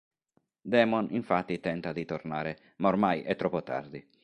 Damon infatti tenta di tornare ma ormai è troppo tardi.